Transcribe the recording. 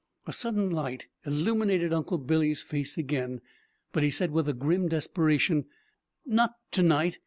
A sudden light illuminated Uncle Billy's face again, but he said, with a grim desperation, "Not to night!